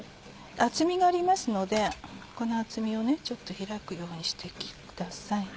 厚みがありますのでこの厚みを開くようにしてください。